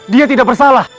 dia tidak bersalah